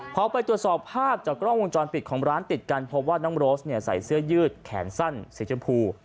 พอไปตรวจสอบภาพจากกล้องวงจรปิดของร้านติดกันพบว่าน้องโรสเนี่ยใส่เสื้อยืดแขนสั้นสีชมพู